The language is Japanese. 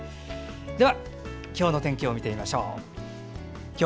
では、今日の天気を見てみましょう。